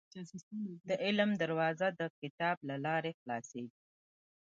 • د علم دروازه، د کتاب له لارې خلاصېږي.